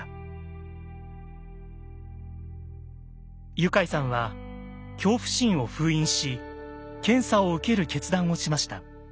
ユカイさんは恐怖心を封印し検査を受ける決断をしました。